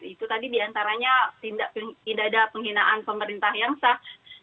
itu tadi diantaranya tidak ada penghinaan pemerintah yang sah